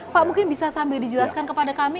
pak mungkin bisa sambil dijelaskan kepada kami